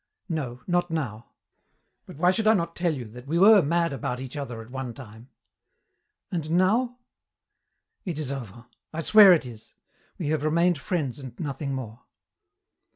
"No, not now. But why should I not tell you that we were mad about each other at one time?" "And now?" "It is over. I swear it is. We have remained friends and nothing more."